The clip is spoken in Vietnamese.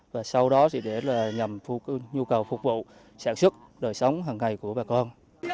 và sau đó thì để nhằm phục nhu cầu phục vụ sản xuất đời sống hàng ngày của bà con